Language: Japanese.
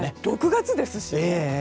６月ですし。